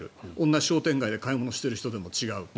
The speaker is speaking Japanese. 同じ商店街で買い物をしている人でも違う。